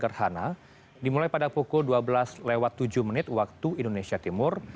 gerhana matahari sebagian dimulai pada pukul dua belas tujuh waktu indonesia timur